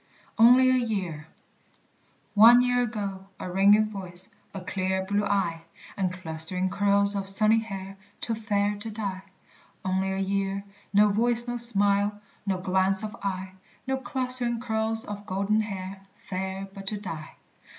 "ONLY A YEAR." One year ago, a ringing voice, A clear blue eye, And clustering curls of sunny hair, Too fair to die. Only a year, no voice, no smile, No glance of eye, No clustering curls of golden hair, Fair but to die!